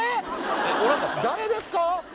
誰ですか？